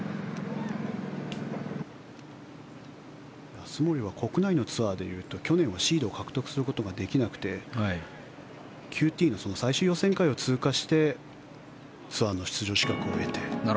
安森は国内のツアーでいうと去年はシードを獲得することができなくてＱＴの最終予選会を通過してツアーの出場資格を得て。